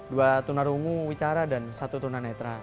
dua tunar ungu bicara dan satu tunar netra